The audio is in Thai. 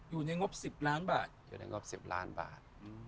อยู่ในงบ๑๐ล้านบาท